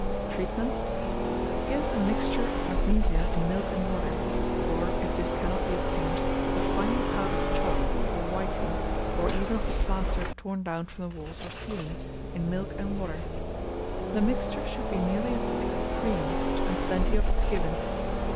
Treatment. Give a mixture of magnesia in milk and water, or, if this cannot be obtained, of finely powdered chalk, or whiting, or even of the plaster torn down from the walls or ceiling, in milk and water. The mixture should be nearly as thick as cream, and plenty of it given.